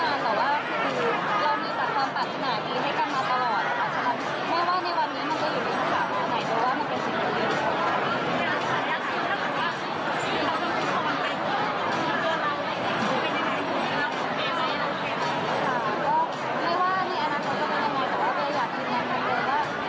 คุณผู้สามารถได้คิดคุณผู้สามารถได้คิด